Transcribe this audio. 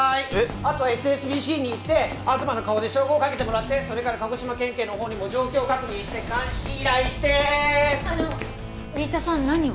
あとＳＳＢＣに行って東の顔で照合をかけてもらってそれから鹿児島県警のほうにも状況確認して鑑識依頼してあの新田さん何を？